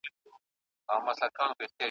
څوک پر مړو میندو په سرو چیغو تاویږي ,